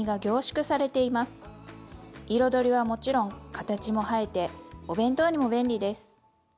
彩りはもちろん形も映えてお弁当にも便利です！